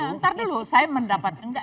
nanti dulu saya mendapatkan